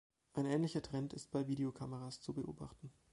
Ein ähnlicher Trend ist bei Videokameras zu beobachten.